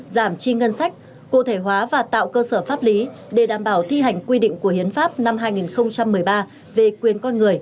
giảm chi ngân sách cụ thể hóa và tạo cơ sở pháp lý để đảm bảo thi hành quy định của hiến pháp năm hai nghìn một mươi ba về quyền con người